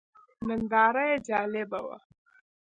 ننداره یې جالبه وه.